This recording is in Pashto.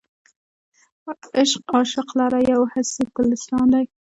عشق عاشق لره یو هسې ګلستان دی.